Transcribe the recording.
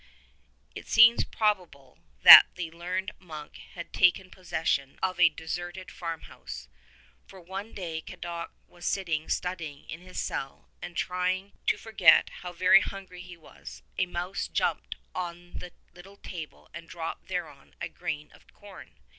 It seems probable that the learned monk had taken possession of a deserted farm house, for one day when Cadoc was sitting studying in his cell and trying to forget how very hungry he was, a mouse jumped on the little table and dropped thereon a grain of corn.